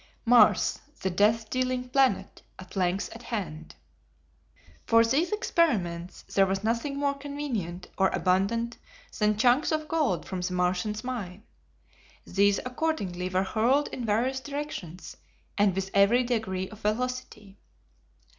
Mars, the Death Dealing Planet, at Length at Hand! For these experiments there was nothing more convenient or abundant than chunks of gold from the Martians' mine. These, accordingly, were hurled in various directions, and with every degree of velocity.